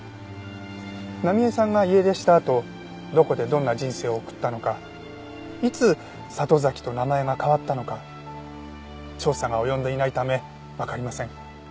奈美絵さんが家出したあとどこでどんな人生を送ったのかいつ里崎と名前が変わったのか調査が及んでいないためわかりません。